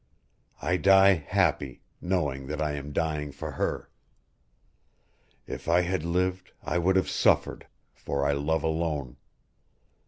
I die happy, knowing that I am dying for her. If I had lived I would have suffered, for I love alone.